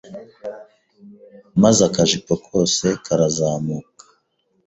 maze akajipo kose karazamuka